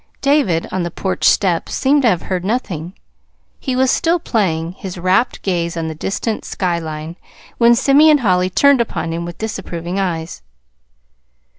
David, on the porch steps, seemed to have heard nothing. He was still playing, his rapt gaze on the distant sky line, when Simeon Holly turned upon him with disapproving eyes.